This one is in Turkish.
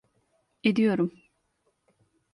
Ediyorum.